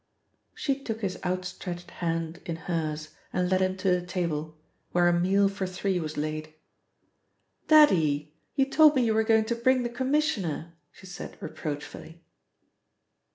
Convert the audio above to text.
She took his outstretched hand in hers and led him to the table, where a meal for three was laid. "Daddy, you told me you were going to bring the Commissioner," she said reproachfully.